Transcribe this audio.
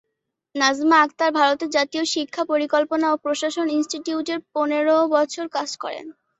নাজমা আখতার ভারতের জাতীয় শিক্ষা পরিকল্পনা ও প্রশাসন ইন্সটিটিউটে পনের বছর কাজ করেছেন।